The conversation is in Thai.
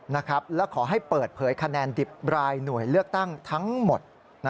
และขอให้เปิดเผยคะแนนดิบรายหน่วยเลือกตั้งทั้งหมด